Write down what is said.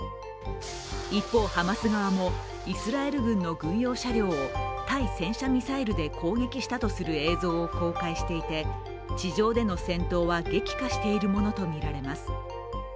一方、ハマス側も、イスラエル軍の軍用車両を対戦車ミサイルで攻撃したとする映像を公開していて、地上での戦闘は激化しているものとみられます